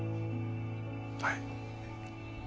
はい。